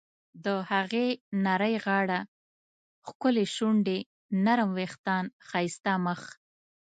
د هغې نرۍ غاړه، ښکلې شونډې ، نرم ویښتان، ښایسته مخ..